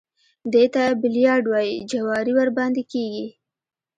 دې ته بيليارډ وايي جواري ورباندې کېږي.